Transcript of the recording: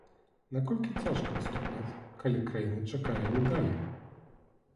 Наколькі цяжка выступаць, калі краіна чакае медалі?